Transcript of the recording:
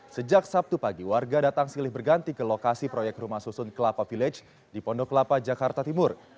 sejak sabtu pagi warga datang silih berganti ke lokasi proyek rumah susun kelapa village di pondok lapa jakarta timur